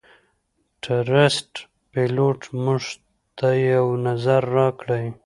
ټرسټ پیلوټ - موږ ته یو نظر راکړئ